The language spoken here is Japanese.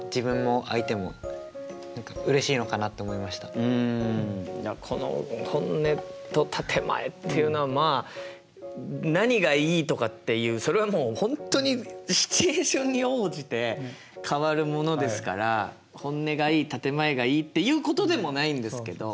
それよりうんいやこの本音と建て前っていうのはまあ何がいいとかっていうそれはもう本当にシチュエーションに応じて変わるものですから本音がいい建て前がいいっていうことでもないんですけど。